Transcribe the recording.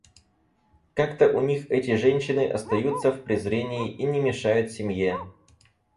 Как-то у них эти женщины остаются в презрении и не мешают семье.